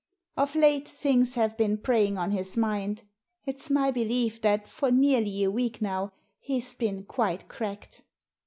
Of late things have been preying on his mind. It's my belief that for nearly a week now he's been quite cracked."